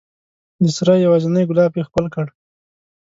د سرای یوازینی ګلاب یې ښکل کړ